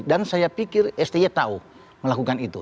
dan saya pikir sty tahu melakukan itu